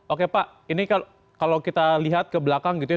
oke pak ini kalau kita lihat ke belakang gitu ya